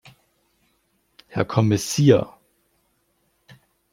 Herr Kommissir!